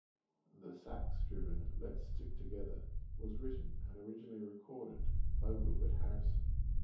The sax-driven "Let's Stick Together" was written and originally recorded by Wilbert Harrison.